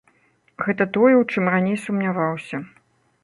Гэта тое, у чым раней сумняваўся.